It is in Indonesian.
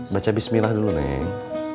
baca bismillah dulu neng